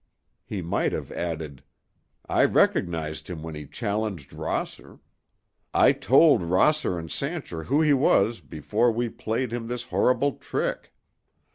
He might have added: "I recognized him when he challenged Rosser. I told Rosser and Sancher who he was before we played him this horrible trick.